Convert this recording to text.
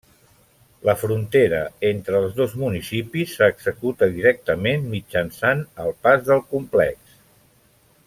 La frontera entre els dos municipis s'executa directament mitjançant el pas del complex.